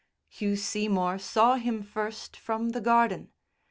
Hugh Seymour saw him first from the garden.